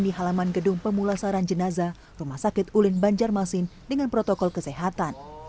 di halaman gedung pemulasaran jenazah rumah sakit ulin banjarmasin dengan protokol kesehatan